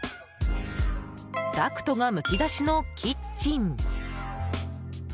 ダクトがむき出しのキッチン。